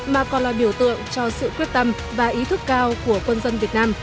mà còn là biểu tượng cho sự quyết tâm và ý thức cao của quân dân việt nam